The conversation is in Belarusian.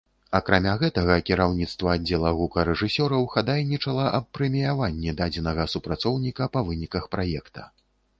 Акрамя гэтага, кіраўніцтва аддзела гукарэжысёраў хадайнічала аб прэміяванні дадзенага супрацоўніка па выніках праекта.